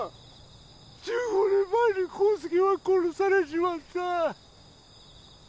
１５年前に康介は殺されちまった